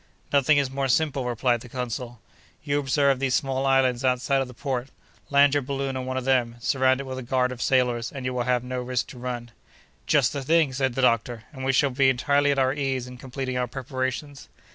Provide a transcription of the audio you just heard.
"Nothing is more simple," replied the consul. "You observe those small islands outside of the port; land your balloon on one of them; surround it with a guard of sailors, and you will have no risk to run." "Just the thing!" said the doctor, "and we shall be entirely at our ease in completing our preparations."